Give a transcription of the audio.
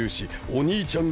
お兄ちゃん